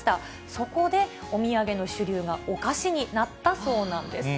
そこでお土産の主流がお菓子になったそうなんです。